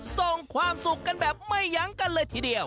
ส่งความสุขกันแบบไม่ยั้งกันเลยทีเดียว